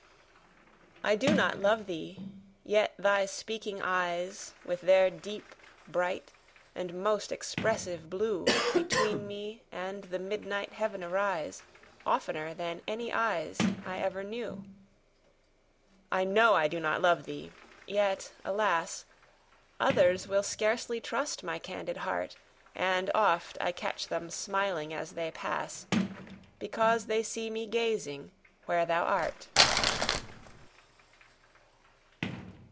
I do not love thee!—yet thy speaking eyes, With their deep, bright, and most expressive blue, Between me and the midnight heaven arise, 15 Oftener than any eyes I ever knew. I know I do not love thee! yet, alas! Others will scarcely trust my candid heart; And oft I catch them smiling as they pass, Because they see me gazing where thou art.